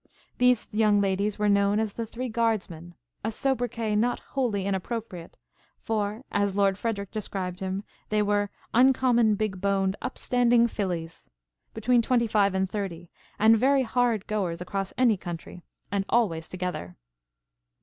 These young ladies were known as the Three Guardsmen, a sobriquet not wholly inappropriate; for, as Lord Frederic described them, they were "uncommon big boned, upstanding fillies," between twenty five and thirty and very hard goers across any country, and always together.